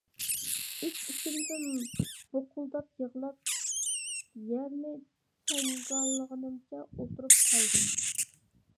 ئىچ-ئىچىمدىن بۇقۇلداپ يىغلاپ يەرنى چاڭگاللىغىنىمچە ئولتۇرۇپ قالدىم.